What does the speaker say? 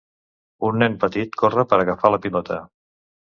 Un nen petit corre per agafar la pilota